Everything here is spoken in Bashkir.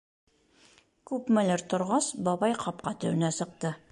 Күпмелер торғас, бабай ҡапҡа төбөнә сыҡты.